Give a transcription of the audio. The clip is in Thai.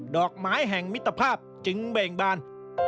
ดอกไม้แห่งมิตรภาพจึงเบ่งบาน